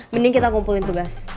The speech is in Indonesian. mending kita kumpulin tugas